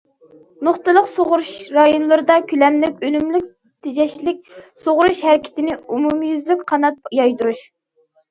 نۇقتىلىق سۇغىرىش رايونلىرىدا كۆلەملىك، ئۈنۈملۈك، تېجەشلىك سۇغىرىش ھەرىكىتىنى ئومۇميۈزلۈك قانات يايدۇرۇش.